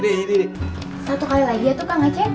satu kali lagi ya tuh kang aceh